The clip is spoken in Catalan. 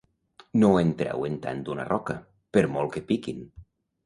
No en treuen tant d'una roca, per molt que piquin.